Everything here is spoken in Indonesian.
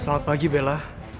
selamat pagi bella